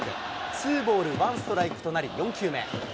ツーボールワンストライクとなり４球目。